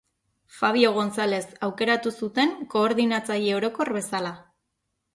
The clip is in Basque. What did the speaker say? Fabio Gonzalez aukeratu zuten Koordinatzaile Orokor bezala.